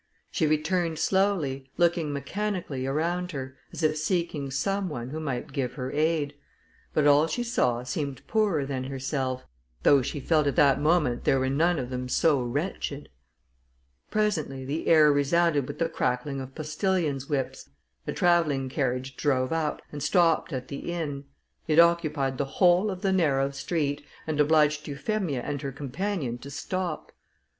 She returned slowly, looking mechanically around her, as if seeking some one who might give her aid; but all she saw seemed poorer than herself, though she felt that at that moment there were none of them so wretched. Presently the air resounded with the cracking of postilions' whips; a travelling carriage drove up, and stopped at the inn: it occupied the whole of the narrow street, and obliged Euphemia and her companion to stop.